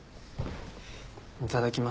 いただきます。